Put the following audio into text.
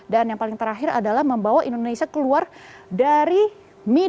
dan yang paling terakhir adalah membawa indonesia keluar dari misi